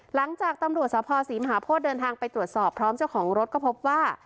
หลังจากตำรวจสภศรีมหาโพธิเดินทางไปตรวจสอบพร้อมเจ้าของรถก็พบว่า